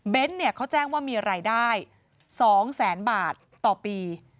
เขาแจ้งว่ามีรายได้๒แสนบาทต่อปี